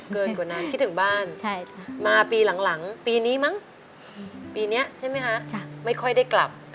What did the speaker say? เกินกว่านั้นคิดถึงบ้านมาปีหลังปีนี้มั้งปีนี้ใช่ไหมคะไม่ค่อยได้กลับ